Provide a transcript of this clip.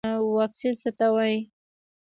واکسین څه ته وایي